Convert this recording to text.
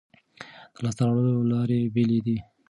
د لاسته راوړلو لارې بېلې دي.